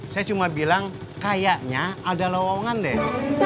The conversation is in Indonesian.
saya cuma bilang kayaknya ada lawangan deh